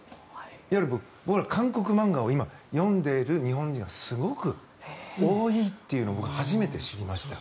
いわゆる韓国漫画を読んでる日本人がすごく多いというのを僕、初めて知りました。